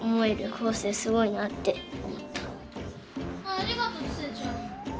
ありがとうちせちゃん。